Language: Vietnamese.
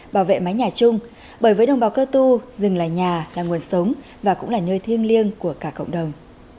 bảo vệ mái nhà chung bởi với đồng bào cơ tu rừng là nhà là nguồn sống và cũng là nơi thiêng liêng của cả cộng đồng